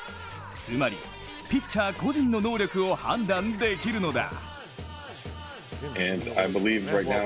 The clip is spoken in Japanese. つまり、ピッチャー個人の能力を判断できるのだ。